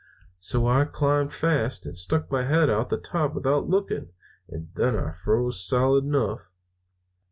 "So I climbed fast, and stuck my head out the top without looking and then I froze solid enough.